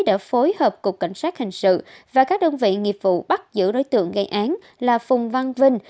đã phối hợp cục cảnh sát hình sự và các đơn vị nghiệp vụ bắt giữ đối tượng gây án là phùng văn vinh